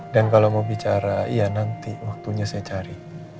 dan kalau mau bicara iya nanti waktunya saya cari